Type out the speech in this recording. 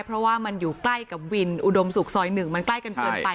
เพราะว่ามันอยู่ใกล้กับวินอุดมศุกร์ซอย๑มันใกล้กันเกินไป